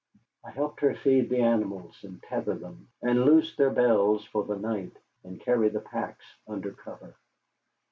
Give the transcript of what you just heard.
I helped her feed the animals, and tether them, and loose their bells for the night, and carry the packs under cover.